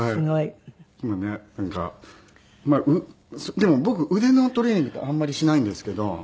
でも僕腕のトレーニングってあんまりしないんですけど。